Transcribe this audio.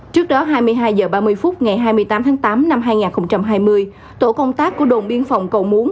trước đó hai mươi hai h ba mươi phút ngày hai mươi tám tháng tám năm hai nghìn hai mươi tổ công tác của đồn biên phòng cầu muốn